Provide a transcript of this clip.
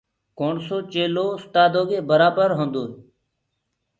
ڪوڻسو چيلو اُستآدو برآبر هوندوئي